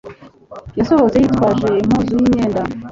Yasohotse yitwaje impuzu y'imyenda.